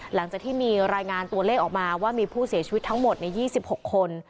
หลังจากที่มีรายงานตัวเลขออกมาว่ามีผู้เสียชีวิตทั้งหมดใน๒๖คน